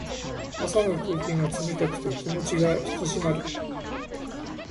朝の空気が冷たくて気持ちが引き締まる。